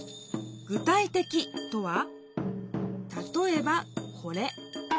「具体的」とはたとえばこれ。